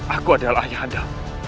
aku adalah ayah anda